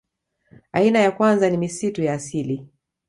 Aina ya kwanza ni misitu ya asili